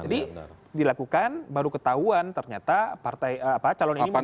jadi dilakukan baru ketahuan ternyata partai calon ini memborong